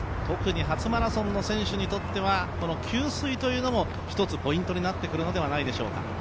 特に初マラソンの選手にとっては給水というのも１つ、ポイントになってくるのではないでしょうか。